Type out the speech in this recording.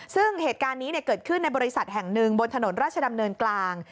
ซึ่งเหตุการณ์นี้เกิดขึ้นในบริษัทแห่งหนึ่งบนถนนราชดำเนินกลาง